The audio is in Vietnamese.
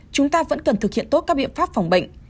chúng ta vẫn cần thực hiện tốt các biện pháp phòng bệnh